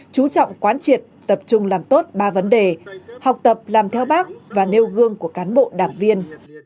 chú trọng quán triệt tập trung làm tốt ba vấn đề học tập làm theo bác và nêu gương của cán bộ đảng viên